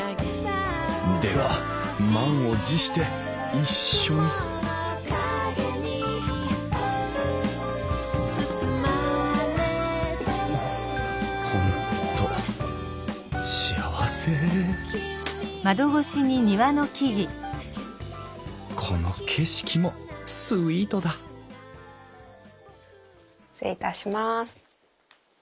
では満を持して一緒に本当幸せこの景色もスイートだ失礼いたします。